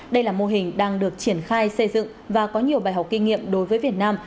đây là mô hình đang được triển khai xây dựng và có nhiều bài học kinh nghiệm đối với việt nam